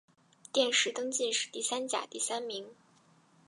殿试登进士第三甲第三名。